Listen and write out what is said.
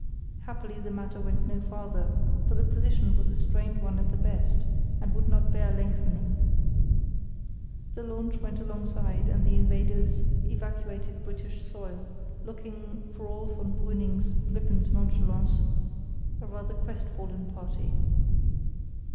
Happily the matter went no farther, for the position was a strained one at the best, and would not bear lengthening. The launch went alongside, and the invaders evacuated British soil, looking, for all von Brüning's flippant nonchalance, a rather crestfallen party.